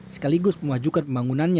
sekaligus memajukan pembangunannya